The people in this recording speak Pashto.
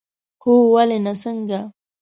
هو، ولې نه، څنګه؟